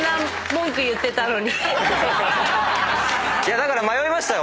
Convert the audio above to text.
だから迷いましたよ